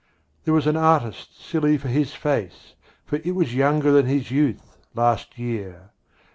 There was an artist silly for his face, For it was younger than his youth, last year.